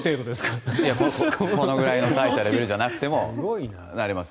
このぐらいの大したレベルじゃなくてもなれます。